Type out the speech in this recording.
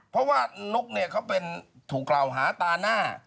เพราะว่านุ๊กเนี่ยเขาเป็นถูกกล่าวหาตาหน้า